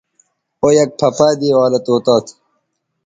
او یک پَھہ پہ دے والہ طوطا تھو